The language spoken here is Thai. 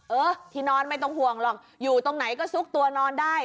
เออที่นอนไม่ต้องห่วงหรอกอยู่ตรงไหนก็ซุกตัวนอนได้